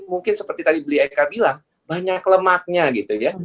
mungkin seperti tadi belieka bilang banyak lemaknya gitu ya